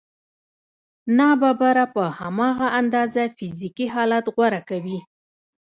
ناببره په هماغه اندازه فزیکي حالت غوره کوي